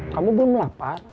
kamu belum lapar